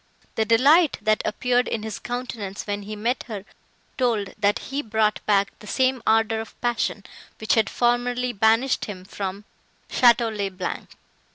The delight, that appeared in his countenance, when he met her, told that he brought back the same ardour of passion, which had formerly banished him from Château le Blanc.